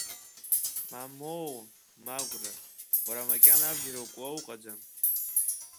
Мамоу, Магәра, уара макьана абџьар укуа уҟаӡам!